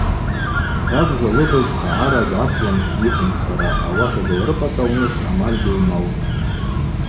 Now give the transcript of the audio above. Йтагвжва лыбыз хъагӏара гьгӏаквлымжьхтӏ дйыхӏвумцара, ауаса дылрыпӏатӏауныс амаль гьылмаутӏ.